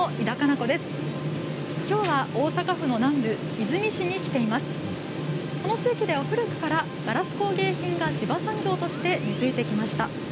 この地域では古くからガラス工芸品が地場産業として根づいてきました。